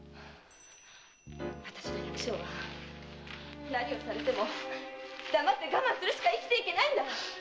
あたしら百姓は何をされても黙って我慢するしか生きていけないんだ！